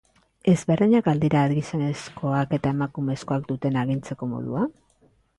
Ezberdinak al dira gizonezkoak eta emakumezkoak duten agintzeko modua?